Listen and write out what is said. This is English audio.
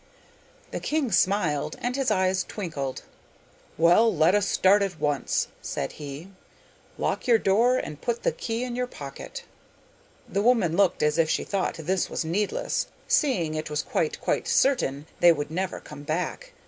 The king smiled, and his eyes twinkled. 'Well, let us start at once,' said he. 'Lock your door, and put the key in your pocket.' The woman looked as if she thought this was needless, seeing it was quite, quite certain they would never come back.